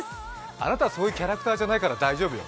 あなた、そういうキャラクターじゃないから大丈夫よ。